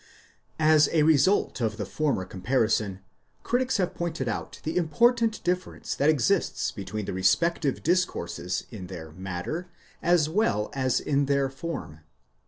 As a result of the former comparison, critics have pointed out the important difference that exists between the respective discourses in their matter, as well as in their form.